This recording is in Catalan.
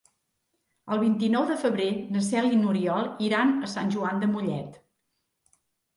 El vint-i-nou de febrer na Cel i n'Oriol iran a Sant Joan de Mollet.